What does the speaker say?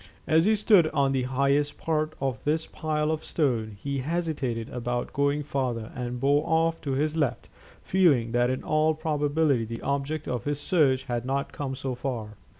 As he stood on the highest part of this pile of stone, he hesitated about going farther, and bore off to his left, feeling that in all probability the object of his search had not come so far.